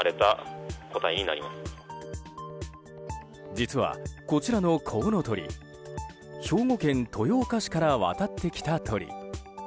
実は、こちらのコウノトリ兵庫県豊岡市から渡ってきた鳥。